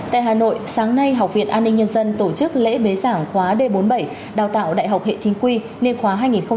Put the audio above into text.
tại hà nội sáng nay học viện an ninh nhân dân tổ chức lễ bế giảng khóa d bốn mươi bảy đào tạo đại học hệ chính quy nền khóa hai nghìn một mươi năm hai nghìn một mươi chín